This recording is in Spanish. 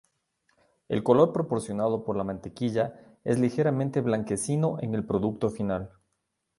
El color proporcionado por la mantequilla es ligeramente blanquecino en el producto final.